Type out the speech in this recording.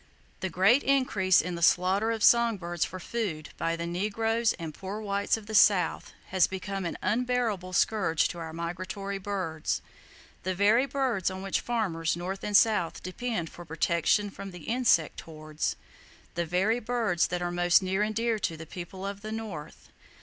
[Page x] The great increase in the slaughter of song birds for food, by the negroes and poor whites of the South, has become an unbearable scourge to our migratory birds,—the very birds on which farmers north and south depend for protection from the insect hordes,—the very birds that are most near and dear to the people of the North.